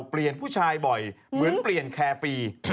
เปลี่ยนผู้ชายบ่อยเหมือนเปลี่ยนแคร์ฟรี